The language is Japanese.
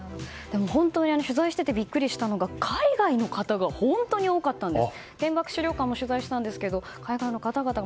本当に取材していてビックリしたのが海外の方が本当に多かったんです。